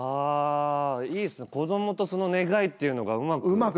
いいですね、子どもとその願いっていうのがうまく。